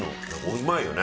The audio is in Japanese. うまいよね。